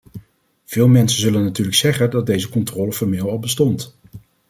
Veel mensen zullen natuurlijk zeggen dat deze controle formeel al bestond.